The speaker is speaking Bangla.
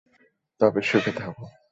তবে সুখে থাকো।